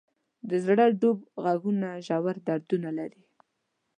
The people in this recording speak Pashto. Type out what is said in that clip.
د زړه ډوب ږغونه ژور دردونه لري.